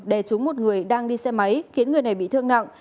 đè trúng một người đang đi xe máy khiến người này bị thương nặng